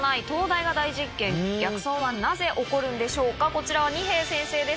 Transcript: こちらは二瓶先生です。